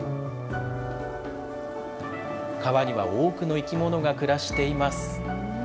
川には多くの生き物が暮らしています。